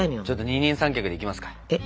二人三脚でいきますか？